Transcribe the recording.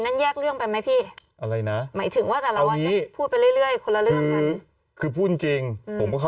ใน๖๐อีพีนั่นแยกเรื่องไปมั้ยพี่